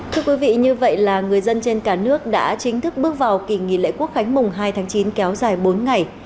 thưa quý vị như vậy là người dân trên cả nước đã chính thức bước vào kỳ nghỉ lễ quốc khánh mùng hai tháng chín kéo dài bốn ngày